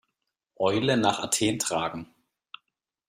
Eulen nach Athen tragen.